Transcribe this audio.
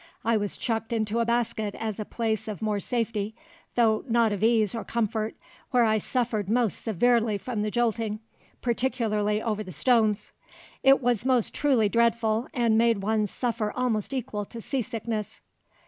I was chucked into a basket as a place of more safety, though not of ease or comfort, where I suffered most severely from the jolting, particularly over the stones; it was most truly dreadful and made one suffer almost equal to sea sickness."